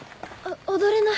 踊れない。